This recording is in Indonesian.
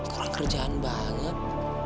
kurang kerjaan banget